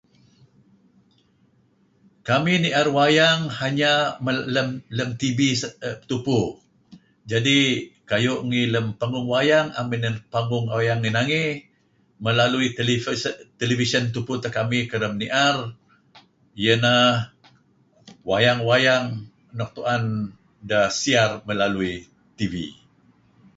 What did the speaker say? Kamih ni'er wayang hanya me..lem... lem... ... lem tv tupu. Jadi kayu' ngi lem panggung wayang, 'em inan panggung wayang ngih nangey. Melalui telivise'... telivisen tupu tupu teh kamih kereb ni'er ieh ineh wayang-wayang nuk tu'en deh siar melalui tv.